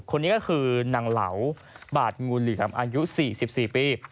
คนนี้ก็คือนางเหลาบาดงูเหลือมอายุ๔๔ปี